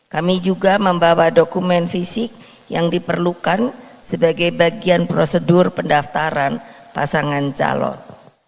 kami juga membawa dokumen fisik yang diperlukan sebagai bagian prosedur pendaftaran pasangan calon